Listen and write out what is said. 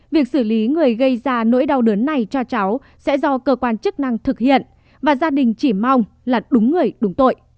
việc xử lý người gây ra nỗi đau đớn này cho cháu sẽ do cơ quan chức năng thực hiện và gia đình chỉ mong là đúng người đúng tội